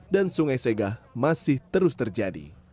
dan sungai segah masih terus terjadi